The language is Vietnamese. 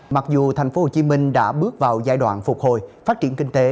mặc dù thành phố hồ chí minh đã bước vào giai đoạn phục hồi phát triển kinh tế